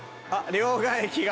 両替機が。